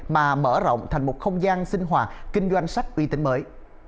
mà mở rộng thành một không gian sinh hoạt kinh doanh sách uy tín mới